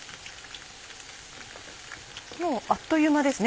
もうあっという間ですね